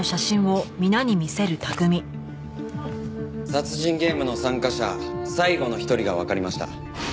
殺人ゲームの参加者最後の一人がわかりました。